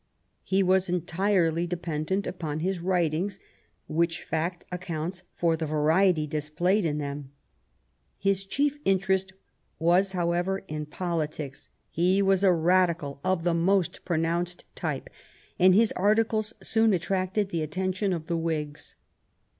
He was entirely dependent upon his writings, which fact accounts for the variety displayed in them. His chief interest was, however, in politics. He was a Radical of the most pronounced type, and his articles soon attracted the attention of the Whigs.